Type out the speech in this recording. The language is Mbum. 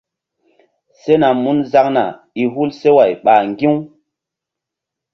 Sena mun zaŋna i hul seway ɓ ŋgi̧-u.